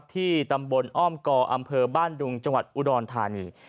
ที่ตำบลอ้อมกออำเภอบ้านดุงจังหวัดอุดรธานี